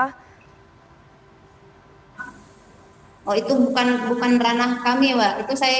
hai oh itu bukan bukan ranah kami mbak itu saya